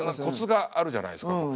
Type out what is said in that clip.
コツがあるじゃないですか。